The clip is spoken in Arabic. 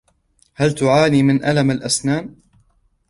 هل تعاني من الم الاسنان